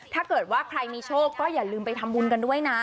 ถ้าเกิดว่าใครมีโชคก็อย่าลืมไปทำบุญกันด้วยนะ